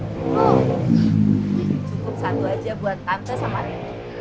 cukup satu aja buat tante sama reina